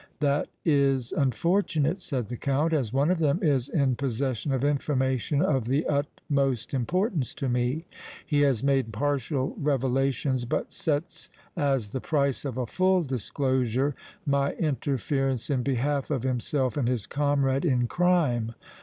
"That is unfortunate," said the Count, "as one of them is in possession of information of the utmost importance to me. He has made partial revelations, but sets as the price of a full disclosure my interference in behalf of himself and his comrade in crime.